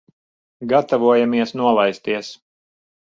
Gatavojamies nolaisties.